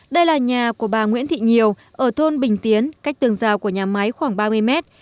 đây là nhà của bà nguyễn thị nhiều ở thôn bình tiến cách tường rào của nhà máy khoảng ba mươi mét